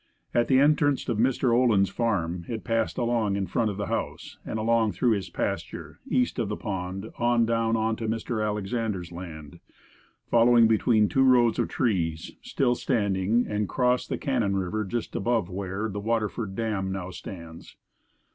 At the entrance of Mr. Olin's farm it passed along in front of the house and along through his pasture east of the pond on down onto Mr. Alexander's land following between two rows of trees, still standing, and crossed the Cannon river just above where the Waterford dam now stands.